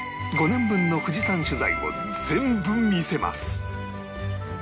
５年分の富士山取材を全部見せます